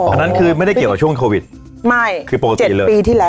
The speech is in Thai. อันนั้นคือไม่ได้เกี่ยวกับช่วงโควิดไม่คือปกติเลยปีที่แล้ว